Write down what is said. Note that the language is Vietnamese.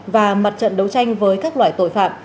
và mặt trận đấu tranh với các loại tội phạm